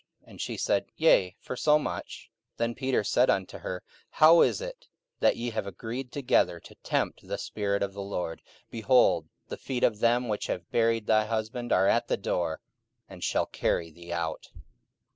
And she said, Yea, for so much. 44:005:009 Then Peter said unto her, How is it that ye have agreed together to tempt the Spirit of the Lord? behold, the feet of them which have buried thy husband are at the door, and shall carry thee out.